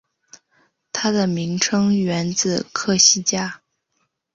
它的名称源自科西嘉。